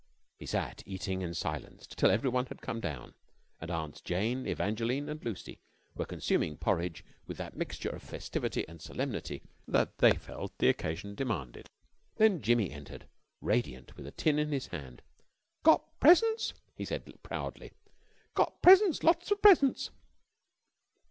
He sat eating in silence till everyone had come down, and Aunts Jane, Evangeline, and Lucy were consuming porridge with that mixture of festivity and solemnity that they felt the occasion demanded. Then Jimmy entered, radiant, with a tin in his hand. "Got presents," he said, proudly. "Got presents, lots of presents."